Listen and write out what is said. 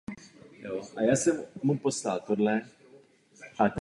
Tím však magistrála ztratila na významu z hlediska tranzitní dopravy.